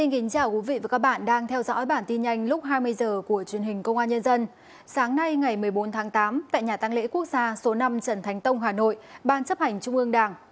hãy đăng ký kênh để ủng hộ kênh của chúng mình nhé